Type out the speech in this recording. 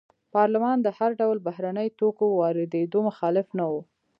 پارلمان د هر ډول بهرنیو توکو واردېدو مخالف نه و.